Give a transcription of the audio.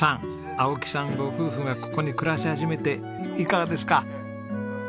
青木さんご夫婦がここに暮らし始めていかがですか？